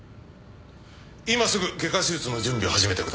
今すぐ外科手術の準備を始めてください。